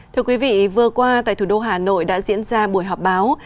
thưa quý vị vừa qua tại thủ đô hà nội đã diễn ra buổi họp báo